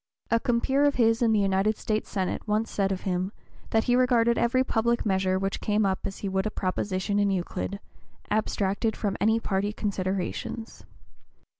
A compeer of his in the United States Senate once said (p. 030) of him, that he regarded every public measure which came up as he would a proposition in Euclid, abstracted from any party considerations.